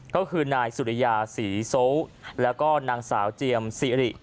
ก็คือนายสุริยาศรีโซแล้วก็นางสาวเจียมซีริ